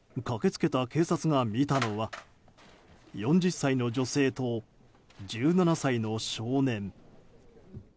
駆け付けた警察が見たのは４０歳の女性と１７歳の少年。